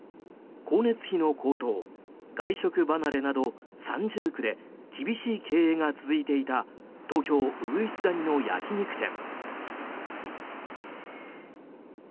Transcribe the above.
光熱費の高騰、外食離れなど三重苦で厳しい経営が続いていた東京・鶯谷の焼き肉店。